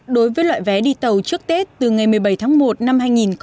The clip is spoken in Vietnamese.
đối với loại vé đi tàu trước tết từ ngày một mươi bảy tháng một năm hai nghìn hai mươi